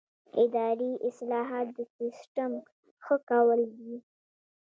اداري اصلاحات د سیسټم ښه کول دي